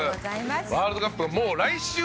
ワールドカップがもう来週。